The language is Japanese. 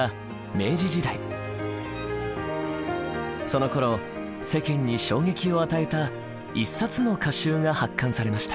そのころ世間に衝撃を与えた一冊の歌集が発刊されました。